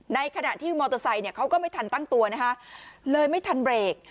ในขณะที่มอเตอร์ไซค์เขาก็ไม่ทันตั้งตัวนะคะเลยไม่ทันเบรก